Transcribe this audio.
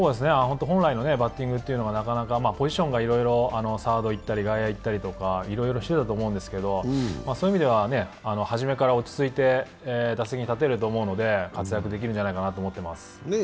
本来のバッティングというのが、ポジションがいろいろサードいったり、外野いったりいろいろしてたと思うんですけどそういう意味では、初めから落ち着いて打席に立てると思うので活躍できるんじゃないかなと思ってます。